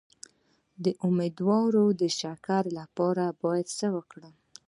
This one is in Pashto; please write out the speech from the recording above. د امیدوارۍ د شکر لپاره باید څه وکړم؟